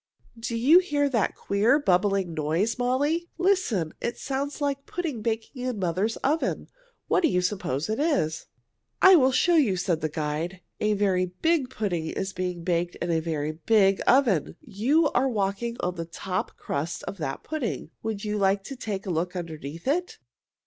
"Do you hear that queer, bubbling noise, Molly? Listen! It sounds like a pudding baking in mother's oven. What do you suppose it is?" "I will show you," said the guide. "A very big pudding is being baked in a very big oven. You are walking on the top crust of that pudding. Would you like to take a look underneath it?